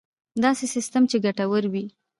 داسې سیستم چې ګټور وي.